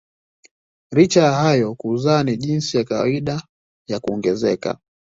Licha ya hayo kuzaa ni jinsi ya kawaida ya kuongezeka.